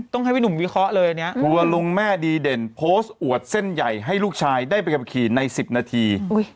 ให้พี่หนุ่มวิเคราะห์เลยอันนี้ทัวร์ลงแม่ดีเด่นโพสต์อวดเส้นใหญ่ให้ลูกชายได้ไปกับขี่ใน๑๐นาที